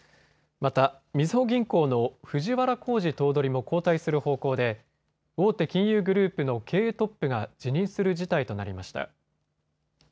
また、みずほ銀行の藤原弘治頭取も交代する方向で大手金融グループの経営トップが辞任する事態となりました。